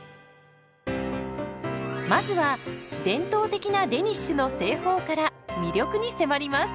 まずは伝統的なデニッシュの製法から魅力に迫ります。